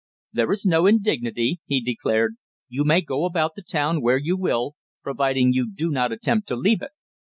"There is no indignity," he declared. "You may go about the town where you will providing you do not attempt to leave it.